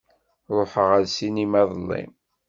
Ruḥeɣ ar ssinima iḍelli.